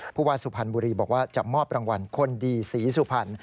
ผู้ว่าสุพรรณบุรีบอกว่าจะมอบรางวัลคนดีศรีสุพรรณ